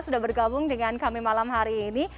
sudah bergabung dengan kami malam hari ini